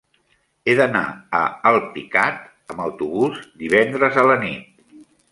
He d'anar a Alpicat amb autobús divendres a la nit.